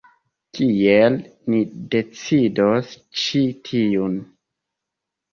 Kiel ni decidos ĉi tiun?